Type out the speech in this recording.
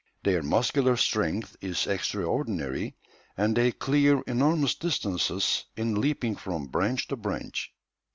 Their muscular strength is extraordinary, and they clear enormous distances in leaping from branch to branch.